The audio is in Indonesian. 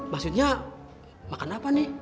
maksudnya makan apa nih